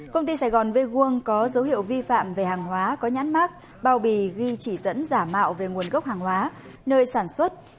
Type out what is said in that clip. công ty sài gòn veguông có dấu hiệu vi phạm về hàng hóa có nhãn mát bao bì ghi chỉ dẫn giả mạo về nguồn gốc hàng hóa nơi sản xuất